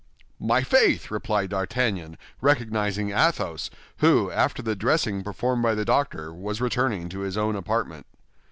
"My faith!" replied D'Artagnan, recognizing Athos, who, after the dressing performed by the doctor, was returning to his own apartment.